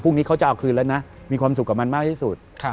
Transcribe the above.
นี้เขาจะเอาคืนแล้วนะมีความสุขกับมันมากที่สุด